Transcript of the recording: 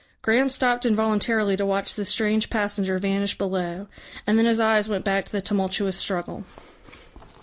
Graham stopped involuntarily to watch this strange passenger vanish below, and then his eyes went back to the tumultuous struggle.